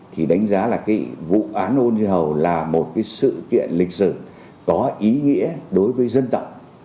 thì đánh giá là cái vụ án ôn như hầu là một sự kiện lịch sử có ý nghĩa đối với dân tộc